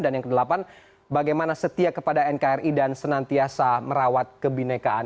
dan yang kedelapan bagaimana setia kepada nkri dan senantiasa merawat kebinekaan